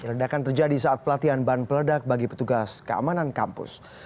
ledakan terjadi saat pelatihan ban peledak bagi petugas keamanan kampus